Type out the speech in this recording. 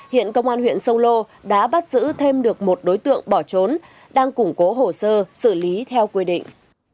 hiện công an huyện sông lô đã bắt giữ thêm được một đối tượng bỏ trốn đang củng cố hồ sơ xử lý theo quy định